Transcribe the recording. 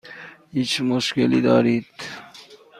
هیچ مشکلی دارید؟